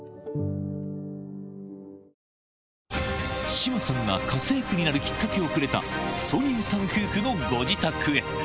志麻さんが家政婦になるきっかけをくれた、ソニエさん夫婦のご自宅へ。